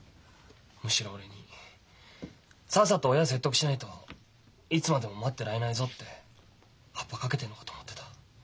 むしろ俺に「さっさと親を説得しないといつまでも待ってられないぞ」ってハッパかけてんのかと思ってた。